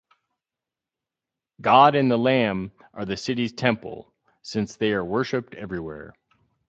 God and the Lamb are the city's temple, since they are worshiped everywhere.